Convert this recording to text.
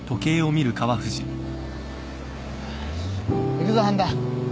行くぞ半田。